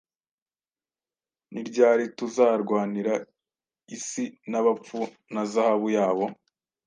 Ni ryari tuzarwanira isi n'abapfu na zahabu yabo,